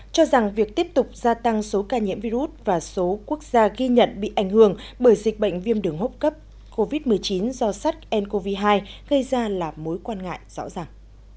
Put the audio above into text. cho rằng việc tiếp tục gia tăng số ca nhiễm virus và số quốc gia ghi nhận bị ảnh hưởng bởi dịch bệnh viêm đường hốc cấp covid một mươi chín do sars cov hai gây ra là mối quan ngại rõ ràng